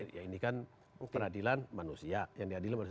ya ini kan peradilan manusia yang diadili manusia